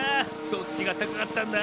どっちがたかかったんだ？